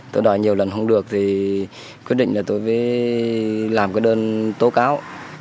tôi đòi nhiều lần không được thì quyết định là tôi mới làm cái đơn tố cáo